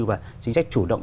và chính sách chủ động